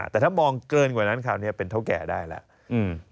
แต่ถ้ามองเกินกว่านั้นคราวนี้เป็นเท่าแก่ได้แล้ว